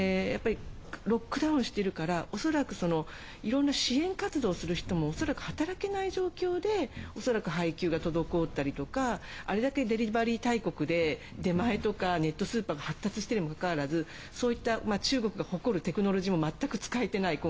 ロックダウンしてるから恐らく支援活動する人も恐らく働けない状況で恐らく配給が滞ったりとかあれだけデリバリー大国で出前とかネットスーパーが発達しているにもかかわらずそういった中国が誇るテクノロジーも今回は全く使えていない。